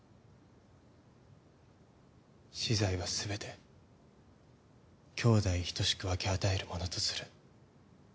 私財はすべて兄弟等しく分け与えるものとする。